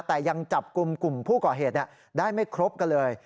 แต่ยังจับกลุ่มกลุ่มผู้ก่อเหตุได้ไม่ครบกันเลย